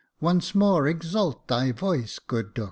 Once more exalt thy voice, good Dux."